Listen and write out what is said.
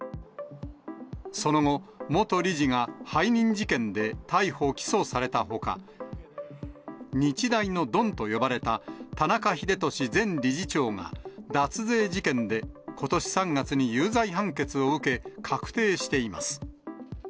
その後、元理事が背任事件で逮捕・起訴されたほか、日大のドンと呼ばれた田中英壽前理事長が、脱税事件でことし３月に有罪判決を受け、確定しています。